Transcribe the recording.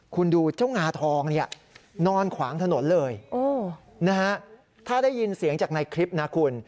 คุณดูเจ้างาทองเนี่ยนอนขวางถนนเลยนะฮะถ้าได้ยินเสียงจากในคลิปนะคุณ